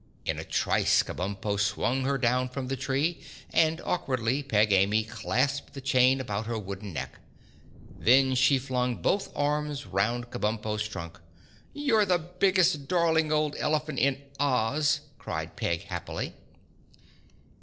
In a trice Kabumpo swung her down from the tree and awkwardly Peg Amy clasped the chain about her wooden neck. Then she flung both arms round Kabumpo's trunk. "You're the biggest darling old elephant in Oz!" cried Peg happily.